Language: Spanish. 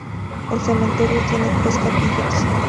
El cementerio tiene tres capillas.